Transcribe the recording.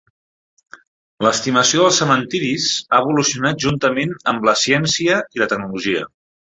L'estimació dels cementiris ha evolucionat juntament amb la ciència i la tecnologia.